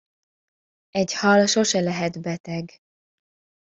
Egy hal sose lehet beteg.